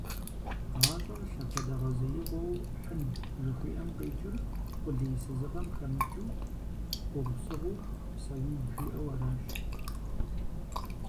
«ГъащӀэр лъапэдэгъэзеигъуэу хьын» жыхуиӏэм къикӏыр къулейсызыгъэм хэмыкӀыу, гугъусыгъуу псэун, жиӏэу аращ.